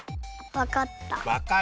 わかった？